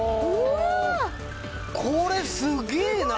これすげえな！